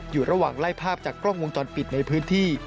อยู่ระหว่างไล่ภาพจากกล้องวงจรปิดในพื้นที่